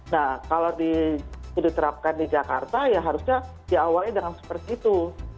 nah kalau diterapkan di jakarta ya harusnya diawali dengan seperti itu